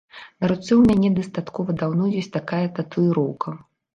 На руцэ ў мяне дастаткова даўно ёсць такая татуіроўка.